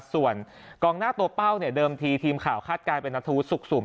ส่วนกองหน้าตัวเป้าเนี่ยเดิมทีทีมข่าวคาดการณเป็นนัทธวุฒสุขสุ่ม